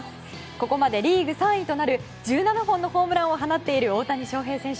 ここまでリーグ３位となる１７本のホームランを放っている大谷翔平選手。